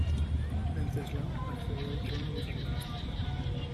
Venceslao accedió al trono dos años más tarde.